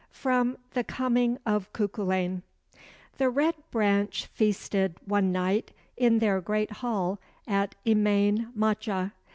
FROM 'THE COMING OF CUCULAIN' I The Red Branch feasted one night in their great hall at Emain Macha.